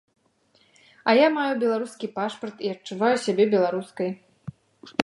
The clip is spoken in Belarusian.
А я маю беларускі пашпарт і адчуваю сябе беларускай.